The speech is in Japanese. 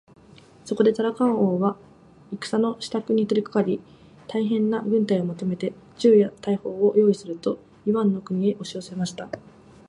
そこでタラカン王は戦のしたくに取りかかり、大へんな軍隊を集めて、銃や大砲をよういすると、イワンの国へおしよせました。